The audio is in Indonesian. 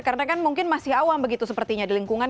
karena kan mungkin masih awam begitu sepertinya di lingkungan